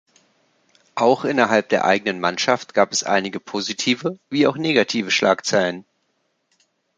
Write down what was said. Auch innerhalb der eigenen Mannschaft gab es einige positive, wie auch negative Schlagzeilen.